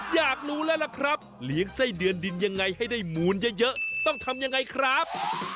อยากรู้แล้วล่ะครับเลี้ยงไส้เดือนดินยังไงให้ได้หมูนเยอะต้องทำยังไงครับ